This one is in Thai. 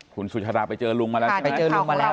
คุณสุธราไปเจอลุงมาแล้วใช่ไหมครับ